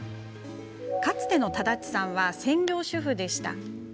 かつてのただっちさんは専業主婦でした。